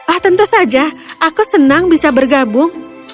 oh tentu saja aku senang bisa bergabung